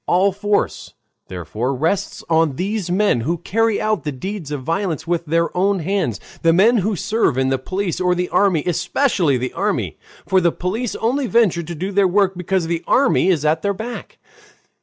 All force, therefore, rests on these men, who carry out the deeds of violence with their own hands, the men who serve in the police or the army, especially the army, for the police only venture to do their work because the army is at their back.